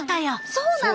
そうなの！